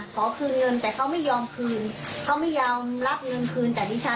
ขอคืนเงินแต่เขาไม่ยอมคืนเขาไม่ยอมรับเงินคืนจากดิฉัน